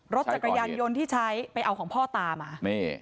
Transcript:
รถจักรยานยนต์ที่ใช้ไปเอาของพ่อตามานี่